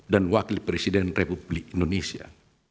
dan wakil presiden republik indonesia